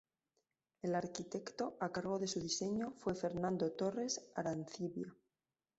El arquitecto a cargo de su diseño fue Fernando Torres Arancibia.